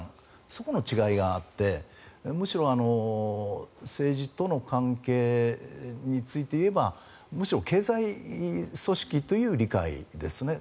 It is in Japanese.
そこの違いがあってむしろ政治との関係についていえばむしろ経済組織という理解ですね